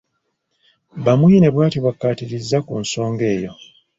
Bamwine bw'atyo bw'akkaatirizza ku nsonga eyo.